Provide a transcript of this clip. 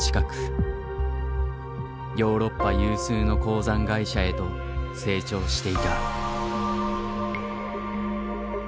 ヨーロッパ有数の鉱山会社へと成長していた。